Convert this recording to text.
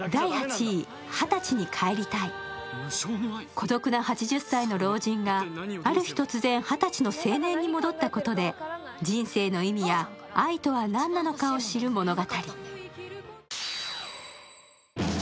孤独な８０歳の老人がある日突然二十歳の青年に戻ったことで人生の意味や愛とは何なのかを知る物語。